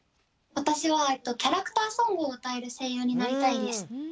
私はキャラクターソングを歌える声優になりたいです。